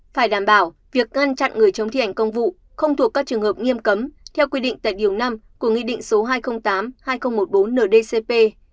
phải đảm bảo việc ngăn chặn người chống thi hành công vụ không thuộc các trường hợp nghiêm cấm theo quy định tại điều năm của nghị định số hai trăm linh tám hai nghìn một mươi bốn ndcp